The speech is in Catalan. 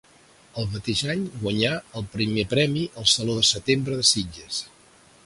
El mateix any guanyà el Primer premi al Saló de setembre de Sitges.